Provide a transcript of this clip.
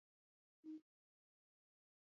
Ni mahitaji ya kimataifa la ongezeko la mafuta